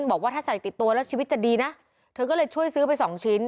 บอกว่าถ้าใส่ติดตัวแล้วชีวิตจะดีนะเธอก็เลยช่วยซื้อไปสองชิ้น